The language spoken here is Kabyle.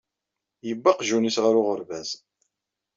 Yewwi aqjun-is ɣer uɣerbaz.